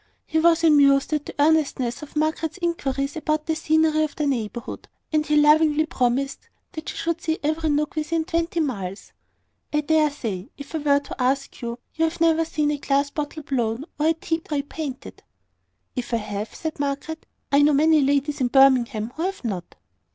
He was amused at the earnestness of Margaret's inquiries about the scenery of the neighbourhood, and he laughingly promised that she should see every nook within twenty miles. "People always care least about what they have just at hand," said he. "I dare say, if I were to ask you, you have never seen a glass bottle blown, or a tea tray painted?" "If I have," said Margaret, "I know many ladies in Birmingham who have not."